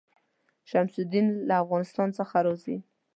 شمس الدین له افغانستان څخه راځي.